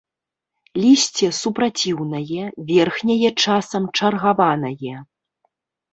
Лісце супраціўнае, верхняе часам чаргаванае.